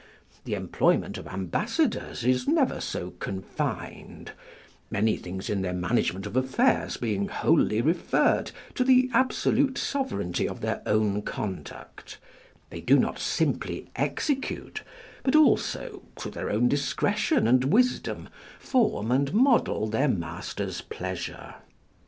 The employment of ambassadors is never so confined, many things in their management of affairs being wholly referred to the absolute sovereignty of their own conduct; they do not simply execute, but also, to their own discretion and wisdom, form and model their master's pleasure.